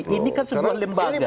ini kan sebuah lembaga